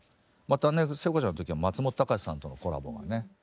またね聖子ちゃんの時は松本隆さんとのコラボがね。